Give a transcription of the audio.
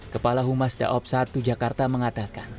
kepala humas daob satu jakarta mengatakan